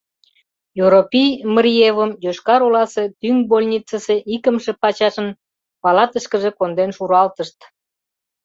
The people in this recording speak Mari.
Йоропий Мриевым Йошкар-Оласе тӱҥ больницысе икымше пачашын палатышкыже конден шуралтышт.